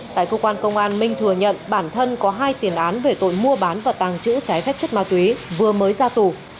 tại cơ quan công an minh thừa nhận bản thân có hai tiền án về tội mua bán và tàng trữ trái phép chất ma túy vừa mới ra tù